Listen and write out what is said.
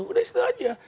udah situ aja